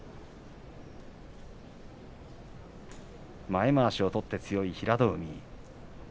前まわしを取って強い平戸海。